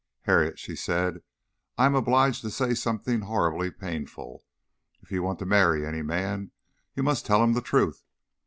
"Harriet," she said, "I am obliged to say something horribly painful if you want to marry any man you must tell him the truth.